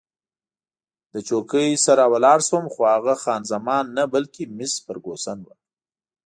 له چوکۍ نه راولاړ شوم، خو هغه خان زمان نه، بلکې مس فرګوسن وه.